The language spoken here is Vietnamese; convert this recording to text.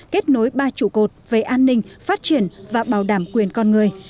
kết nối ba trụ cột về an ninh phát triển và bảo đảm quyền con người